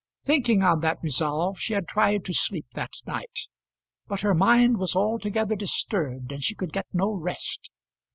Thinking on that resolve she had tried to sleep that night; but her mind was altogether disturbed, and she could get no rest.